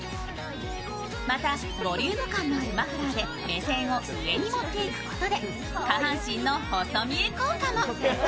またボリューム感のあるマフラーで目線を上に持っていくことで、下半身の細見え効果も。